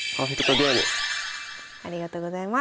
ありがとうございます。